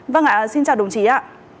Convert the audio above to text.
vâng ạ xin chào đồng chí ạ